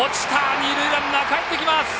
二塁ランナーがかえってきます。